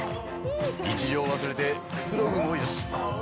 日常を忘れてくつろぐも良し。